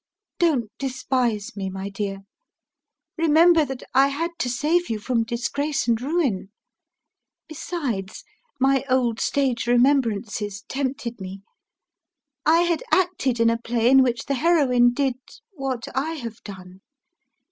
Don't despise me, my dear! Remember that I had to save you from disgrace and ruin. Besides, my old stage remembrances tempted me. I had acted in a play in which the heroine did what I have done.